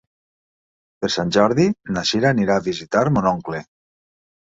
Per Sant Jordi na Sira anirà a visitar mon oncle.